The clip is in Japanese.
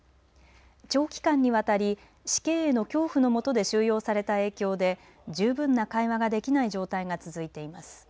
長期間にわたり死刑への恐怖の下で収容された影響で十分な会話ができない状態が続いています。